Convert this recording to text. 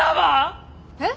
えっ？